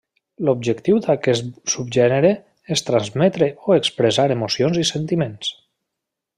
L'objectiu d'aquest subgènere és transmetre o expressar emocions i sentiments.